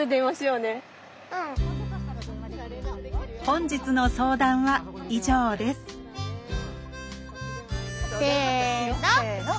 本日の相談は以上ですせの。